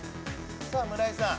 さあ村井さん。